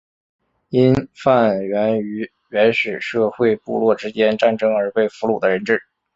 囚犯源于原始社会部落之间战争而被俘虏的人质。